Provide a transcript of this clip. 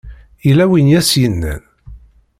Yella win i as-yennan?